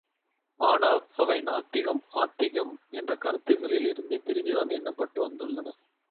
ஆனால் அவை நாத்திகம், ஆதிக்கம் என்ற கருத்துக்களில் இருந்து பிரித்துத்தான் எண்ணப்பட்டு வந்துள்ளன.